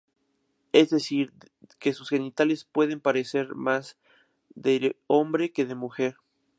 Es decir, que sus genitales pueden parecer más de hombre que de mujer.